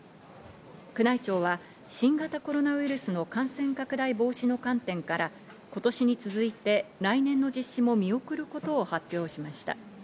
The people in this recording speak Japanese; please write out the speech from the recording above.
宮内庁は新型コロナウイルスの感染拡大防止の観点から今年に続いて来年の実施も見送ることを発表しました。